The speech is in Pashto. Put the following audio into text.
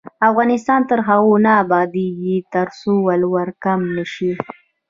افغانستان تر هغو نه ابادیږي، ترڅو ولور کم نشي.